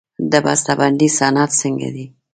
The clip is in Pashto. د بسته بندۍ صنعت څنګه دی؟